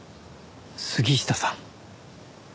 杉下さん。